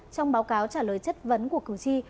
trong báo cáo trả lời chất vấn của cửu chi